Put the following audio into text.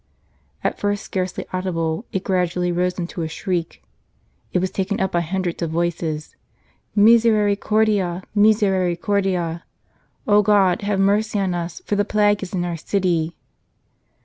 At first scarcely audible, it gradu ally rose into a shriek; it was taken up by hundreds of voices, "Misericordia! misericordia! O God, have mercy on us, for the plague is in our city